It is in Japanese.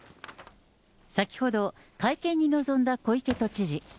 先ほど、会見に臨んだ小池都知事。